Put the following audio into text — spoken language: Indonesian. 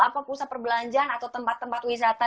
apa pusat perbelanjaan atau tempat tempat wisata